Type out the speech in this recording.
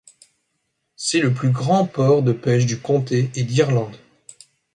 C'est le plus grand port de pêche du comté et d'Irlande.